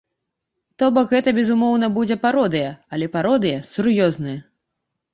То бок, гэта безумоўна будзе пародыя, але пародыя сур'ёзная.